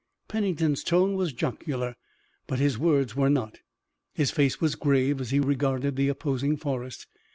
Pennington's tone was jocular, but his words were not. His face was grave as he regarded the opposing forest.